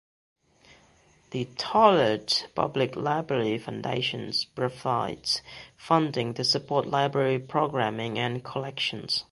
The Tolland Public Library Foundation provides funding to support library programming and collections.